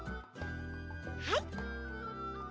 はい。